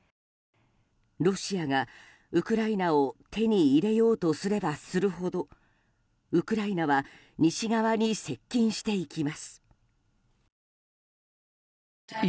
ロシアがウクライナを手に入れようとすればするほどウクライナは西側に接近していきます。